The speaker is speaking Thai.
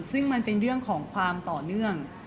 ซึ่งมันเป็นเรื่องของความต่อเนื่อง